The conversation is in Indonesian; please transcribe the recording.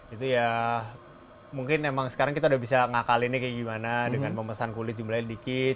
itu ya mungkin emang sekarang kita udah bisa ngakalinnya kayak gimana dengan memesan kulit jumlahnya dikit